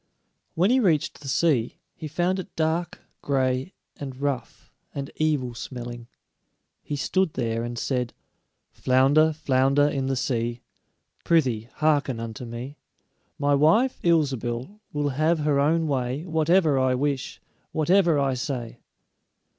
When he reached the sea, he found it dark, gray, and rough, and evil smelling. He stood there and said: "Flounder, flounder in the sea, Prythee, hearken unto me: My wife, Ilsebil, will have her own way Whatever I wish, whatever I say."